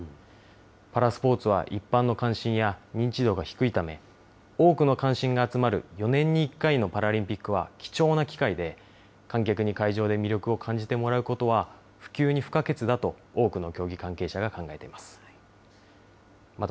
パラスポーツは、一般の関心や認知度が低いため、多くの関心が集まる４年に１回のパラリンピックは貴重な機会で、観客に会場で魅力を感じてもらうことは、普及に不可欠だと、多くの競技関係者が考えています。